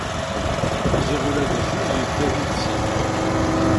Ziɣ ula d jjuj yedda yid-sen!